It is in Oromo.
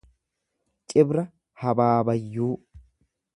Cibra habaabayyuu